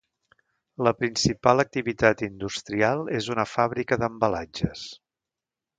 La principal activitat industrial és una fàbrica d'embalatges.